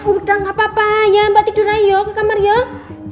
udah gapapa ya mbak tidur aja yuk ke kamar yuk